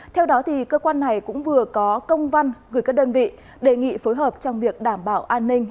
theo đó cơ quan này cũng vừa có công văn gửi các đơn vị đề nghị phối hợp trong việc đảm bảo an ninh